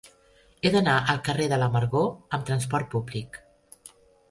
He d'anar al carrer de l'Amargor amb trasport públic.